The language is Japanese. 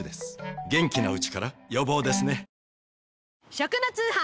食の通販。